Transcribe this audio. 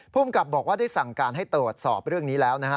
ภูมิกับบอกว่าได้สั่งการให้ตรวจสอบเรื่องนี้แล้วนะฮะ